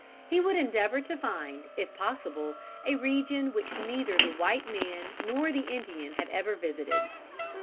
He would endeavor to find, if possible, a region which neither the white man nor the Indian had ever visited.